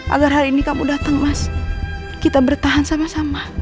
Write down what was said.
agar hari ini kamu datang mas